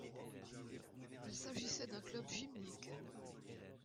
Il s’agissait d’un club gymnique.